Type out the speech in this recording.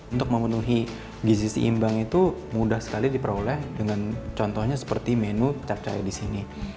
untuk memenuhi gizi seimbang itu mudah sekali diperoleh dengan contohnya seperti menu pecat cahaya di sini